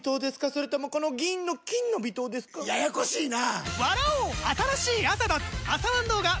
それともこの銀の「金の微糖」ですか？ややこしいなぁ！